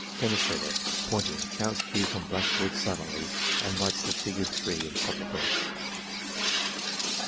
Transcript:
(6) Demonstrator (pointing) counts cubes on blackboard silently and writes the figure 3 in proper place.